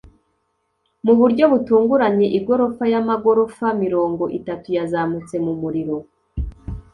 mu buryo butunguranye, igorofa y'amagorofa mirongo itatu yazamutse mu muriro